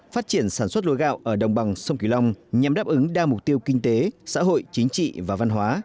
phát triển sản xuất lúa gạo ở đồng bằng sông kỳ long nhằm đáp ứng đa mục tiêu kinh tế xã hội chính trị và văn hóa